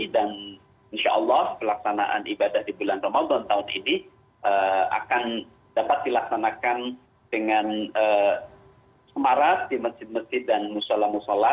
insya allah pelaksanaan ibadah di bulan ramadan tahun ini akan dapat dilaksanakan dengan semaras di masjid masjid dan musola musola